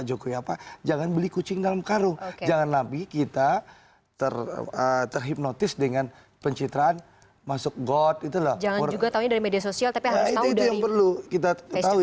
itu yang perlu kita tahu